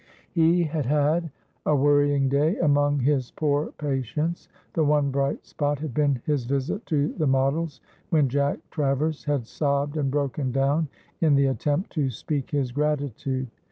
He had had a worrying day among his poor patients, the one bright spot had been his visit to the Models, when Jack Travers had sobbed and broken down in the attempt to speak his gratitude.